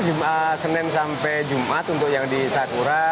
jum'at senin sampe jum'at untuk yang di sakura